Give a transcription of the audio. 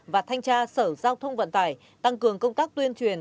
và thanh tra sở giao thông vận tải tăng cường công tác tuyên truyền